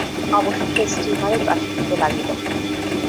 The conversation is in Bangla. অবশেষে স্টীমারে বাঁশি দিতে লাগিল।